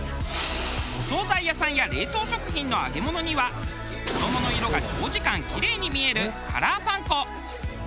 お総菜屋さんや冷凍食品の揚げ物には衣の色が長時間キレイに見えるカラーパン粉。